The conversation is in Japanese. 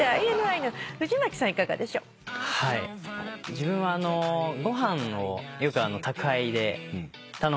自分はご飯をよく宅配で頼むんですけど。